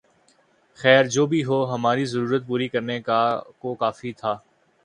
خیر جو بھی ہو ، ہماری ضرورت پوری کرنے کو کافی تھا